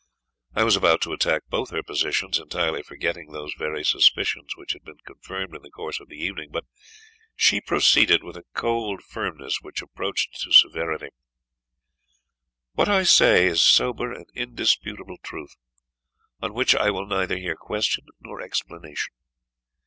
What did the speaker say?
I was about to attack both her positions, entirely forgetting those very suspicions which had been confirmed in the course of the evening, but she proceeded with a cold firmness which approached to severity "What I say is sober and indisputable truth, on which I will neither hear question nor explanation.